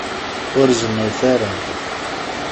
Ur zennut ara.